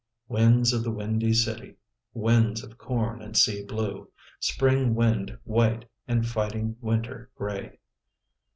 Winds of the Windy City, Winds of corn and sea blue, Spring wind white and fighting winter gray.